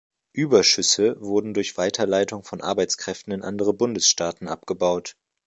Überschüsse wurden durch Weiterleitung von Arbeitskräften in andere Bundesstaaten abgebaut.